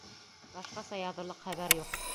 Башҡаса яҙырлыҡ хәбәр юҡ.